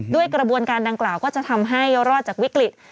ด้วยกระบวนการดังกล่าวก็จะทำให้รอดจากวิกฤต